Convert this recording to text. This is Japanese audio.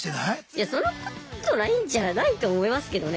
いやそんなことないんじゃないと思いますけどね。